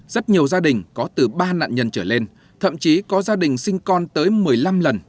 rất nhiều gia đình có từ ba nạn nhân trở lên thậm chí có gia đình sinh con tới một mươi năm lần